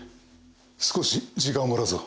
少し時間をもらうぞ。